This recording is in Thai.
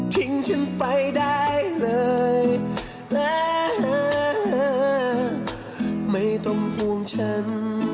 ทิ้งฉันไปได้เลยไม่ต้องห่วงฉันเลย